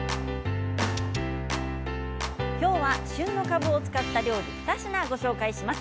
きょうは旬のかぶを使った料理２品をご紹介します。